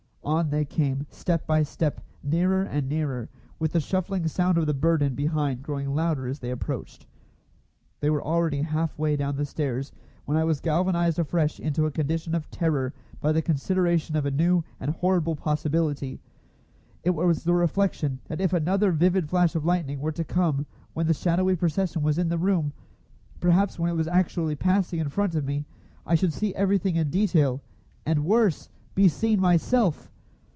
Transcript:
On they came, step by step, nearer and nearer, with the shuffling sound of the burden behind growing louder as they approached. They were already half way down the stairs when I was galvanised afresh into a condition of terror by the consideration of a new and horrible possibility. It was the reflection that if another vivid flash of lightning were to come when the shadowy procession was in the room, perhaps when it was actually passing in front of me, I should see everything in detail, and worse, be seen myself!